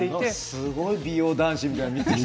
すごい美容男子みたいになっている。